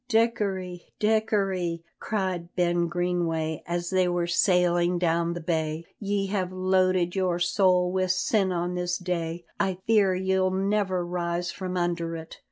Dickory, Dickory," cried Ben Greenway, as they were sailing down the bay, "ye have loaded your soul wi' sin this day; I fear ye'll never rise from under it.